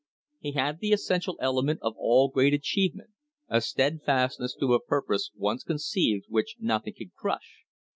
He had the essential element of all great achievement, a steadfastness to a purpose once conceived which nothing can crush.